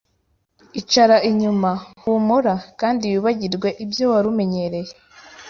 Icara inyuma, humura, kandi wibagirwe ibyo wari umenyereye